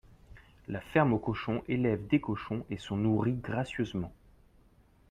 La ferme aux cochons élèvent des cochons et sont nourris gracieusement